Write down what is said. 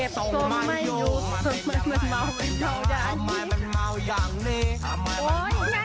ทำไมมันเมาอย่างนั้น